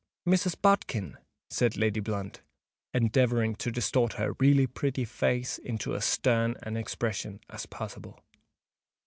"Mrs. Bodkin!" said Lady Blunt, endeavouring to distort her really pretty face into as stern an expression as possible.